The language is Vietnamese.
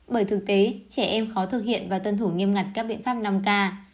bởi thực tế trẻ em khó thực hiện và tuân thủ nghiêm ngặt các biện pháp năm k